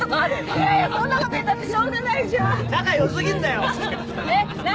いやいやそんなこと言ったってしょうがないじゃん仲よすぎんだよな